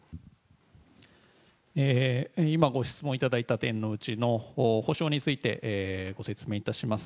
今、ご質問いただいた点のうちの補償について、ご説明いたします。